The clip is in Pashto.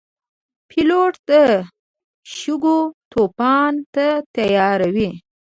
پیلوټ د شګو طوفان ته تیار وي.